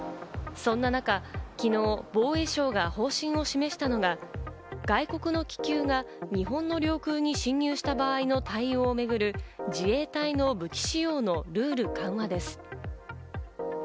そんな中、昨日、防衛相が方針を示したのが、外国の気球が日本の領空に侵入した場合の対応をめぐる自衛隊の武器使用のルール緩和です。